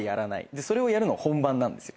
それをやるのは本番なんですよ。